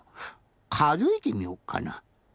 かぞえてみよっかな。